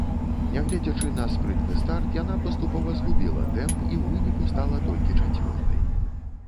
Нягледзячы на спрытны старт яна паступова згубіла тэмп і ў выніку стала толькі чацвёртай.